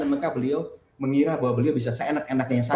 dan maka beliau mengira bahwa beliau bisa se enak enaknya saja